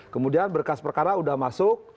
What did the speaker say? kemudian berkas perkara sudah masuk